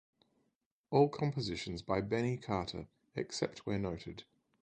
All compositions by Benny Carter except where noted